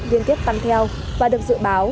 liên kết tăng theo và được dự báo